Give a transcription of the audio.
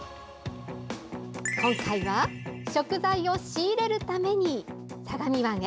今回は、食材を仕入れるために相模湾へ。